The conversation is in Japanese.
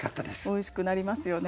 おいしくなりますよね。